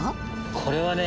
これはね